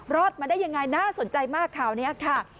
รอดมาได้ยังไงน่าสนใจมากข่าวนี้ค่ะ